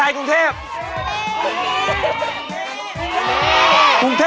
วู้ฮูขอบคุณครับ